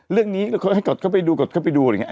เรื่องนี้เขาให้กดเข้าไปดูกดเข้าไปดูอะไรอย่างนี้